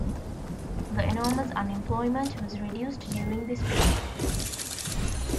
The enormous unemployment was reduced during this period.